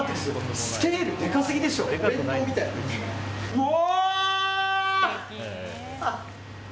うわ！